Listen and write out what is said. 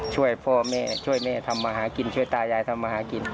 ช่วยพ่อแม่ช่วยแม่ทำมาหากินช่วยตายายทำมาหากิน